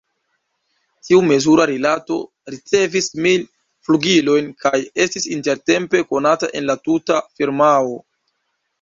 Tiu mezura rilato ricevis mil flugilojn kaj estis intertempe konata en la tuta firmao.